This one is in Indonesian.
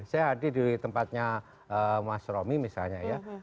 saya hadir di tempatnya mas romi misalnya ya